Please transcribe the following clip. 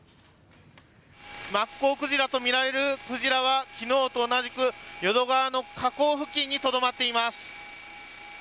マッコウクジラとみられる鯨は昨日と同じく淀川の河口付近にとどまっています。